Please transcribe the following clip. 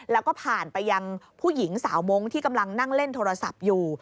แล้วก็ผ่านไปยังผู้หญิงสาวมงค์ที่กำลังนั่งเล่นโทรศัพท์อยู่